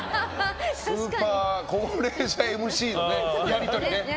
スーパー高齢者ＭＣのやり取りね。